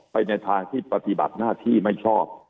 ในทางที่ปฏิบัติหน้าที่ไม่ชอบ